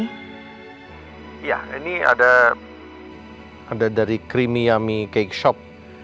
iya ini ada dari creamy yummy cake shop